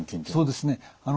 そうですね